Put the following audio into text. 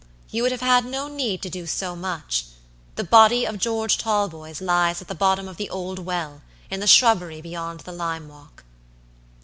You would have had no need to do so much: the body of George Talboys lies at the bottom of the old well, in the shrubbery beyond the lime walk."